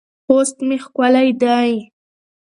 خوست مې ښکلی دی